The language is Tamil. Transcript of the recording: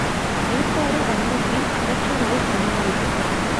அழுக்காறு வந்தபின் அகற்றுவது கடினம்.